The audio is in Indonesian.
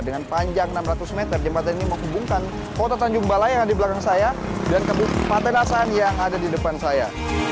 dengan panjang enam ratus meter jembatan ini menghubungkan kota tanjung balai yang ada di belakang saya dan kabupaten asahan yang ada di depan saya